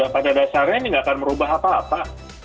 pada dasarnya ini nggak akan merubah apa apa